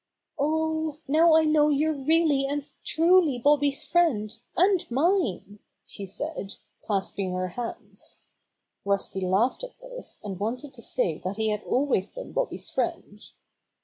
"Oh, now I know you're really and truly Bobby's friend, and mine," she said, clasping her hands. Rusty laughed at this and wanted to say that he had always been Bobby's friend.